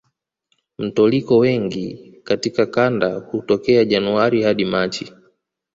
Mtoliko wengi katika kanda hutokea Januari hadi Machi